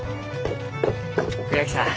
倉木さん